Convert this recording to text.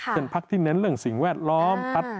พักที่เน้นเรื่องสิ่งแวดล้อม